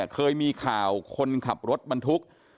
เคยมีข่าวคนขับรถบรรทุก